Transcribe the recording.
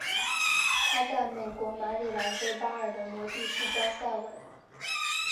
她在美国马里兰州巴尔的摩的市郊塞文。